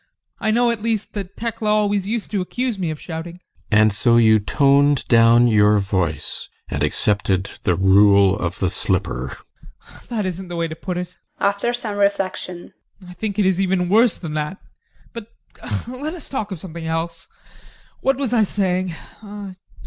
I know at least that Tekla always used to accuse me of shouting. GUSTAV. And so you toned down your voice and accepted the rule of the slipper? ADOLPH. That isn't quite the way to put it. [After some reflection] I think it is even worse than that. But let us talk of something else! What was I saying?